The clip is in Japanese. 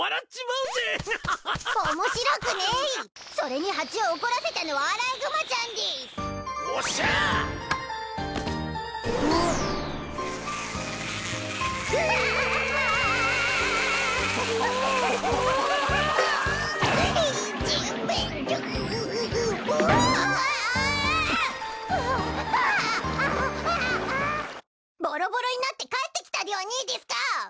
うわあボロボロになって帰ってきたではねいでぃすか！